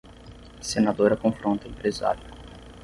Senadora confronta empresário